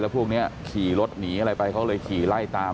พวกนี้ขี่รถหนีอะไรไปเขาเลยขี่ไล่ตาม